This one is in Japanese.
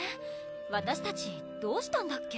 わたしたちどうしたんだっけ？